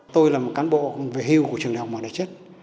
tôi là một cán bộ về hưu của trường đại học mỏ đại chất